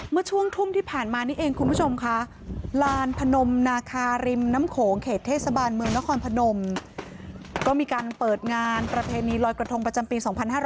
เมื่อช่วงทุ่มที่ผ่านมานี่เองคุณผู้ชมค่ะลานพนมนาคาริมน้ำโขงเขตเทศบาลเมืองนครพนมก็มีการเปิดงานประเพณีลอยกระทงประจำปี๒๕๕๙